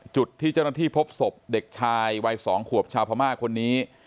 จุดที่เจ้าหน้าที่พบศพเด็กชายวัย๒ขวบชาวพม่าคนนี้